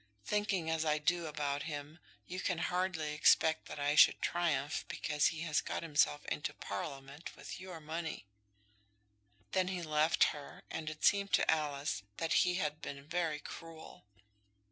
Thinking as I do about him, you can hardly expect that I should triumph because he has got himself into Parliament with your money!" Then he left her, and it seemed to Alice that he had been very cruel.